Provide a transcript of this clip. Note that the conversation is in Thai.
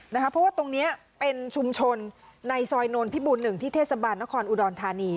เพราะว่าตรงนี้เป็นชุมชนในซอยนนพิบูร๑ที่เทศบาลนครอุดรธานี